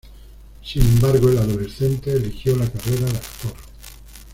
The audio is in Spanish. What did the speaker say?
Sin embargo, el adolescente eligió la carrera de actor.